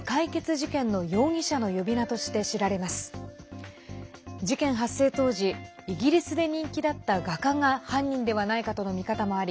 事件発生当時イギリスで人気だった画家が犯人ではないかとの見方もあり